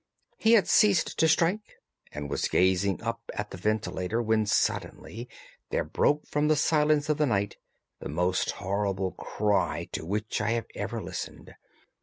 He had ceased to strike and was gazing up at the ventilator when suddenly there broke from the silence of the night the most horrible cry to which I have ever listened.